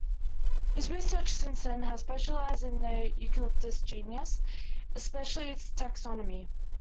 His research since then has specialised in the "Eucalyptus" genus, especially its taxonomy.